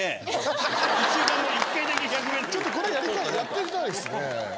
ちょっとこれやりたいやってみたいですね。